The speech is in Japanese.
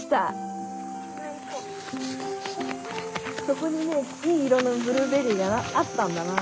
そこにねいい色のブルーベリーがあったんだな。